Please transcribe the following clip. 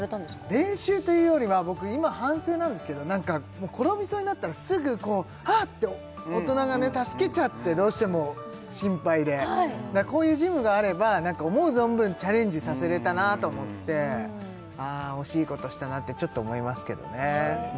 練習というよりは僕今反省なんですけど転びそうになったらすぐ「あっ！」って大人が助けちゃってどうしても心配でこういうジムがあれば思う存分チャレンジさせれたなと思ってああ惜しいことしたなってちょっと思いますけどね